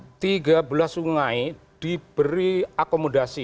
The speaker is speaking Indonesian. hmm tiga belas sungai ditangani bersama sama tiga belas sungai diberi akomodasi